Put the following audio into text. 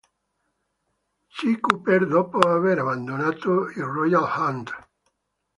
C. Cooper dopo aver abbandonato i Royal Hunt.